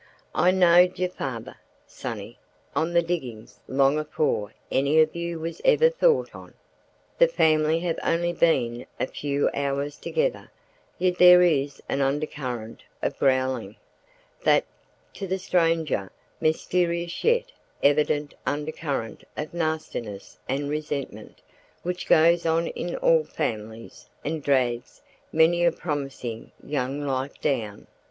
("I knowed yer father, sonny, on the diggings long afore any of you was ever thought on.") The family have only been a few hours together, yet there is an undercurrent of growling, that, to the stranger, mysterious yet evident undercurrent of nastiness and resentment which goes on in all families and drags many a promising young life down.